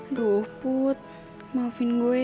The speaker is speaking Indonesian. aduh put maafin gue ya